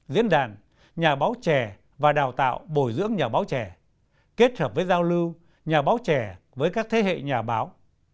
diễn đàn nhà báo trẻ và đào tạo bồi dưỡng nhà báo trẻ kết hợp với giao lưu nhà báo trẻ với các thế hệ nhà báo